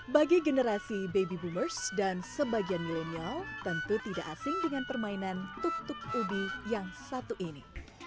bagi generasi baby boomers dan sebagian milenial tentu tidak asing dengan permainan tuk tuk ubi yang satu ini